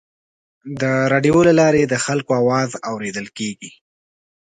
د راډیو له لارې د خلکو اواز اورېدل کېږي.